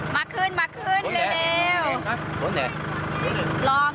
มาขึ้นเร็ว